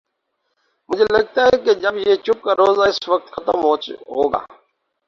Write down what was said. مجھے لگتا ہے کہ یہ چپ کا روزہ اسی وقت ختم ہو گا۔